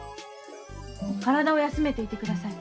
体を休めていて下さい。